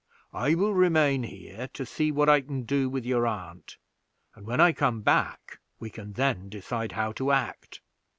I will remain here to see what I can do with your aunt, and when I come back we can then decide how to act."